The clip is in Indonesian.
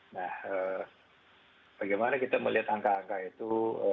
nah bagaimana kita melihat angka angka itu